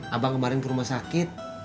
abang kemarin ke rumah sakit